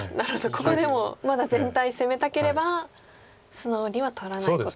ここでもまだ全体攻めたければ素直には取らないことも。